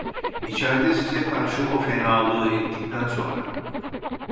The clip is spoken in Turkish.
İçerde size karşı o fenalığı ettikten sonra…